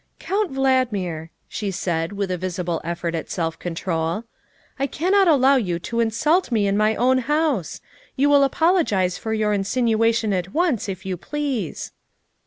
" Count Valdmir," she said with a visible effort at self control, " I cannot allow you to insult me in my own house. You will apologize for your insinuation at once, if you please."